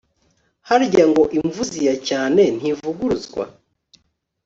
harya ngo imvuzi ya cyane ntivuguruzwa